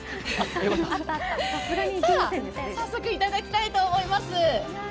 早速いただきたいと思います。